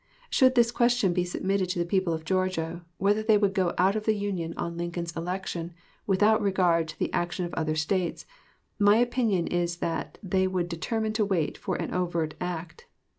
Should the question be submitted to the people of Georgia, whether they would go out of the Union on Lincoln's election without regard to the action of other States, my opinion is they would determine to wait for an overt act.